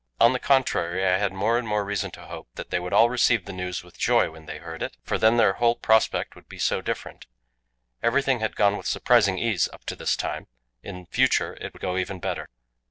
On the contrary, I had more and more reason to hope that they would all receive the news with joy when they heard it; for then their whole prospect would be so different. Everything had gone with surprising ease up to this time; in future it would go even better.